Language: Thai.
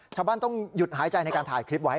ชาวบ้านต้องหยุดหายใจในการถ่ายคลิปไว้